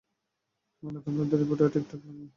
ময়নাতদন্তের রিপোর্টে ঠিকঠাক লিখবেন।